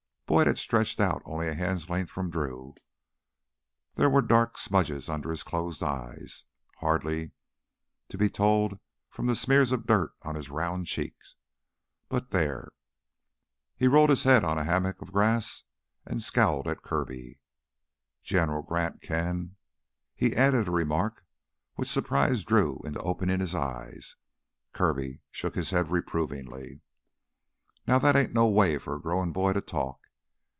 Boyd had stretched out only a hand's length from Drew. There were dark smudges under his closed eyes, hardly to be told from the smears of dirt on his round cheeks, but there. He rolled his head on a hammock of grass and scowled at Kirby. "General Grant can " he added a remark which surprised Drew into opening his eyes. Kirby shook his head reprovingly. "Now that ain't no way for a growin' boy to talk.